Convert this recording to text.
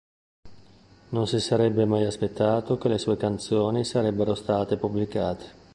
Non si sarebbe mai aspettato che le sue canzoni sarebbero state pubblicate.